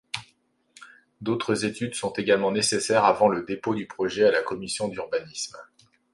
D'autres études sont également nécessaires avant le dépôt du projet à la Commission d'urbanisme.